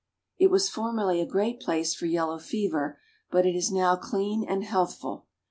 It was formerly a great place for yellow fever, but it is now clean and healthful.